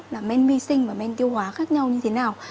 là men vi sinh và men tiêu hóa khác nhau như thế nào